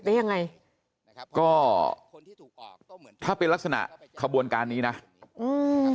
ได้ยังไงก็ถ้าเป็นลักษณะขบวนการณ์นี้นะอืม